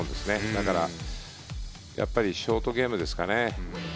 だからやっぱりショートゲームですかね。